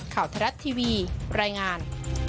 ข่าวทรัพย์ทีวีรายงาน